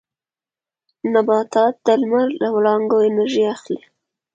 نباتات د لمر له وړانګو انرژي اخلي